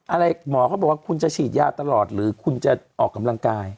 อะไรหมอเขาบอกว่าคุณจะฉีดยาตลอดหรือคุณจะออกกำลังกาย